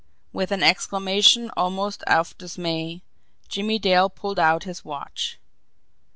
With an exclamation almost of dismay, Jimmie Dale pulled out his watch.